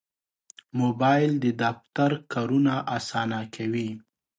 موبایل د دفتر کارونه اسانه کوي.